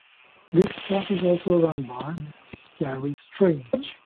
This class is also run by Mrs. Cari Strange.